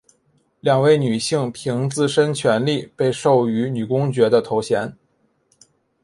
两位女性凭自身权利被授予女公爵的头衔。